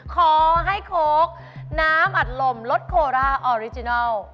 ขอให้โค้กน้ำอัดลมลดโคราชออริจินัล